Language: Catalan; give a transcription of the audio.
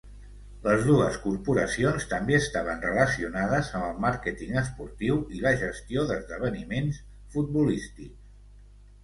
Les dues corporacions també estaven relacionades amb el màrqueting esportiu i la gestió d'esdeveniments futbolístics.